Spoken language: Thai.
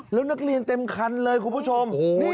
แล้วนักเรียนเต็มคันเลยคุณผู้ชม